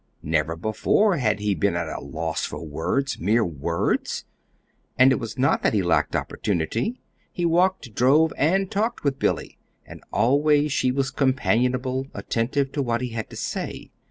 Never before had he been at a loss for words mere words. And it was not that he lacked opportunity. He walked, drove, and talked with Billy, and always she was companionable, attentive to what he had to say.